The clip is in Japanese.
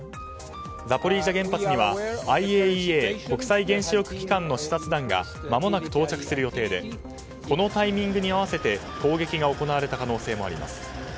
ザポリージャ原発にはＩＡＥＡ・国際原子力機関の視察団がまもなく到着する予定でこのタイミングに合わせて攻撃が行われた可能性もあります。